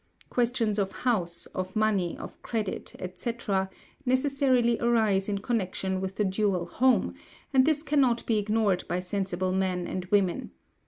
Questions of house, of money, of credit, &c., necessarily arise in connection with the dual home, and these cannot be ignored by sensible men and women.